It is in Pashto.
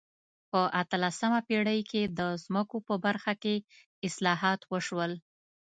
په اتلسمه پېړۍ کې د ځمکو په برخه کې اصلاحات وشول.